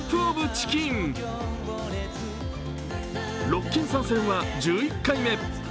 ロッキン参戦は１１回目。